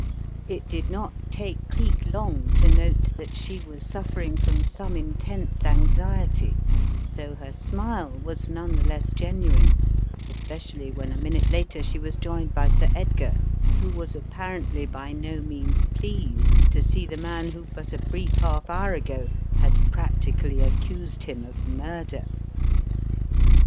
It did not take Cleek long to note that she was suffering from some intense anxiety, though her smile was none the less genuine, especially when a minute later she was joined by Sir Edgar, who was apparently by no means pleased to see the man who but a brief half hour ago had practically accused him of murder.